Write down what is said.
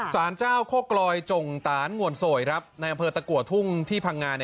สารเจ้าโคกลอยจงตานงวนโสยในอำเภอตะกัวทุ่งที่พังงา